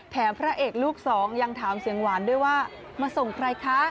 พระเอกลูกสองยังถามเสียงหวานด้วยว่ามาส่งใครคะ